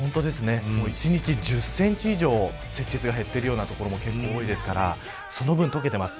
１日１０センチ以上積雪が減っているような所多いですからその分、解けています。